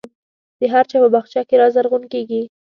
د هر چا په باغچه کې نه رازرغون کېږي.